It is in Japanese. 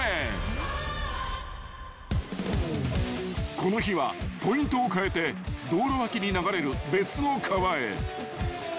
［この日はポイントを変えて道路脇に流れる別の川へ］